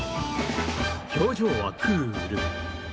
表情はクール。